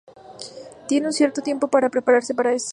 Tienen un cierto tiempo para prepararse para eso.